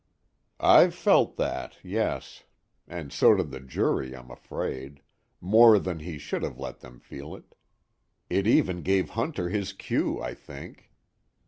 "I've felt that, yes. And so did the jury, I'm afraid more than he should have let them feel it. It even gave Hunter his cue, I think.